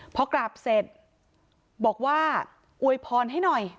พอกราบเสร็จบอกว่าอวยพรให้หน่อย